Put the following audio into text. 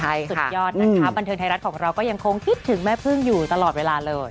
สุดยอดนะคะบันเทิงไทยรัฐของเราก็ยังคงคิดถึงแม่พึ่งอยู่ตลอดเวลาเลย